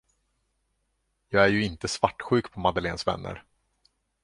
Jag är ju inte svartsjuk på Madeleines vänner.